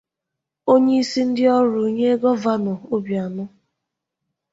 onyeisi ndị ọrụ nye Gọvanọ Obianọ